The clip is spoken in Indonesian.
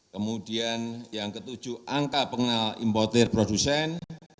kemudian yang ketujuh angka pengenal importer produsen